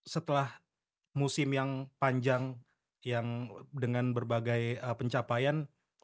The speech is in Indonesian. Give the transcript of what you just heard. setelah musim yang panjang yang dengan berbagai pencapaian